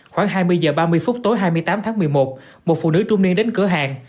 khoảng hai mươi h ba mươi phút tối hai mươi tám tháng một mươi một một phụ nữ trung niên đến cửa hàng